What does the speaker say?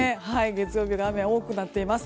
月曜日の雨が多くなっています。